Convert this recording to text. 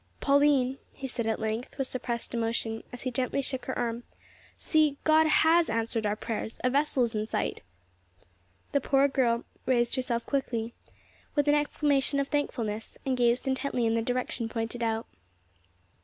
"Pauline," he said at length, with suppressed emotion, as he gently shook her arm, "see, God has answered our prayers: a vessel is in sight!" The poor girl raised herself quickly, with an exclamation of thankfulness, and gazed intently in the direction pointed out.